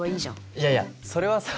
いやいやそれはさ